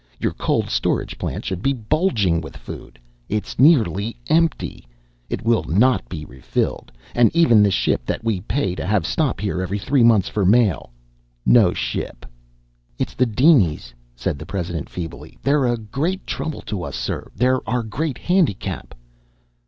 Your cold storage plant should be bulgin' with food! It's near empty! It will not be refilled! And even the ship that we pay to have stop here every three months, for mail no ship!" "It's the dinies," said the president feebly. "They're a great trouble to us, sir. They're our great handicap."